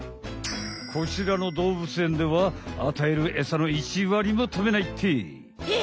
こちらのどうぶつえんではあたえるエサの１わりもたべないって。え！？